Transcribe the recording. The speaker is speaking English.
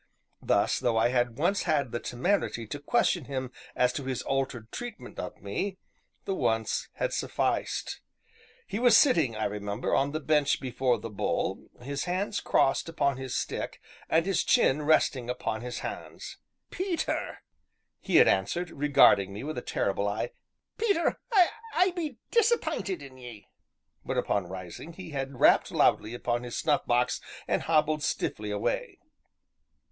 Thus, though I had once had the temerity to question him as to his altered treatment of me, the once had sufficed. He was sitting, I remember, on the bench before "The Bull," his hands crossed upon his stick and his chin resting upon his hands. "Peter," he had answered, regarding me with a terrible eye, "Peter, I be disapp'inted in ye!" Hereupon rising, he had rapped loudly upon his snuff box and hobbled stiffly away.